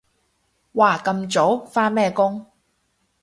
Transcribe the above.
哇咁早？返咩工？